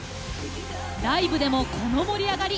ライブでも、この盛り上がり。